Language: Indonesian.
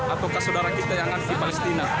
atau kasudara kita yang ada di palestina